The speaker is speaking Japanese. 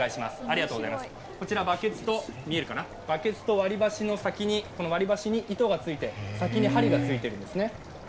こちらバケツと、割り箸の先に割り箸に糸がついて先に針がついているんですね。